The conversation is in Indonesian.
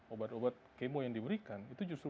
obat obat kemo yang diberikan itu justru